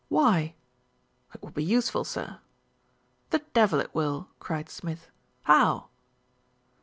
"Why?" "It will be useful, sir." "The devil it will !" cried Smith. "How?"